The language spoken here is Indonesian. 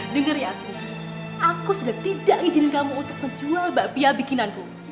dengar ya asri aku sudah tidak izin kamu untuk kejual bakpia bikinanku